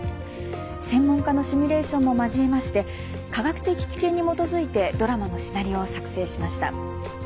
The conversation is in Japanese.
専門家のシミュレーションも交えまして科学的知見に基づいてドラマのシナリオを作成しました。